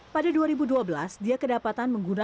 pada dua ribu dua belas dia kedapatan menggunakan